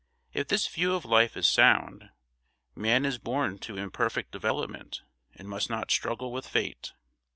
If this view of life is sound, man is born to imperfect development and must not struggle with fate.